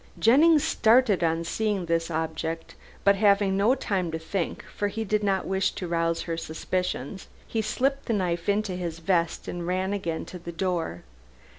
Jennings started on seeing this object, but having no time to think (for he did not wish to rouse her suspicions), he slipped the knife in his vest and ran again to the door.